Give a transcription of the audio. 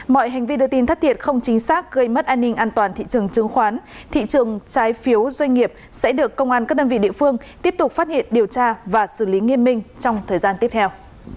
mọi hành vi đưa tin thất thiệt không chính xác gây mất an ninh an toàn thị trường chứng khoán thị trường trái phiếu doanh nghiệp sẽ được công an các đơn vị địa phương tiếp tục phát hiện điều tra và xử lý nghiêm minh trong thời gian tiếp theo